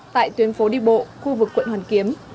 tại tuyến phố đi bộ khu vực quận hoàn kiếm